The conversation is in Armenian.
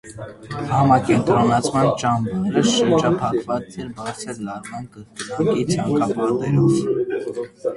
Համակենտրոնացման ճամբարը շրջափակված էր բարձր լարման կրկնակի ցանկապատերով։